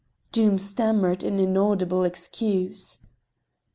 Doom stammered an inaudible excuse.